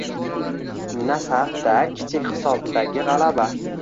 “Nasaf”da kichik hisobdagi g‘alaba